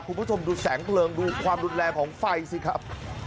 คุณผู้ชมดูแสงเพลิงดูความรุนแรงของไฟสิครับ